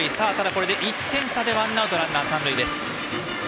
これで１点差でワンアウトランナー、三塁です。